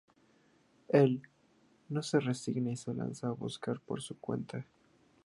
Él no se resigna y se lanza a buscar por su cuenta.